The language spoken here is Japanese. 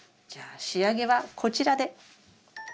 じゃあ仕上げはこちらで。